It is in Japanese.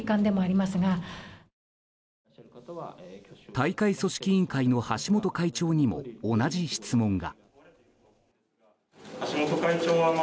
大会組織委員会の橋本会長にも同じ質問が。